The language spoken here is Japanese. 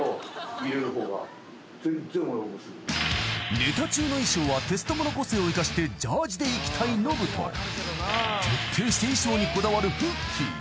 ［ネタ中の衣装はテツトモの個性を生かしてジャージでいきたいノブと徹底して衣装にこだわるフッキー］